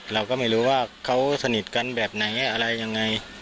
เราก็ไม่รู้ว่าเขาสนิทกันแบบไหนอะไรยังไง